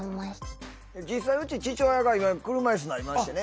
実際うち父親が今車いすになりましてね。